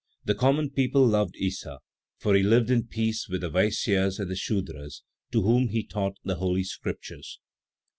The common people loved Issa, for he lived in peace with the Vaisyas and the Sudras, to whom he taught the Holy Scriptures.